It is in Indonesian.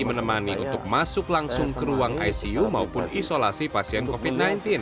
menemani untuk masuk langsung ke ruang icu maupun isolasi pasien covid sembilan belas